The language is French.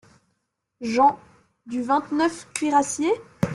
Jean. — Du vingt-neufe Cuirassiers ?